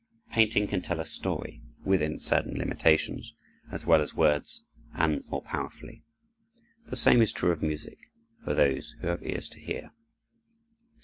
Painting can tell a story, within certain limitations, as well as words, and more powerfully. The same is true of music, for those who have ears to hear.